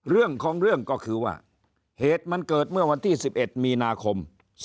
เรื่องของเรื่องก็คือว่าเหตุมันเกิดเมื่อวันที่๑๑มีนาคม๒๕๖